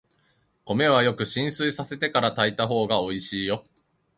米はよく浸水させてから炊いたほうがおいしいよ。